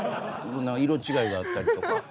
色違いがあったりとか。